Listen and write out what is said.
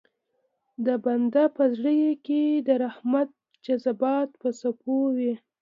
د بنده په زړه کې د رحمت جذبات په څپو وي.